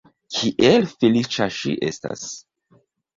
Kiel feliĉa ŝi estas!